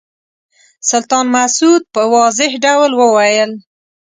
سلطان مسعود په واضح ډول وویل.